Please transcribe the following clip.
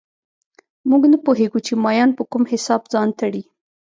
موږ نه پوهېږو چې مایان په کوم حساب ځان تړي